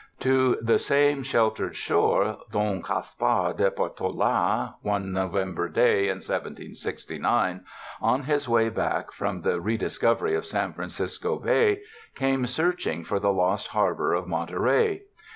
To the same sheltered shore, Don Gaspar de Portola, one No vember day in 1769, on his way back from the re discovery of San Francisco Bay, came searching for the lost harbor of Monterey.